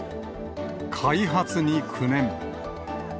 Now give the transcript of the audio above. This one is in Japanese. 開発に９年。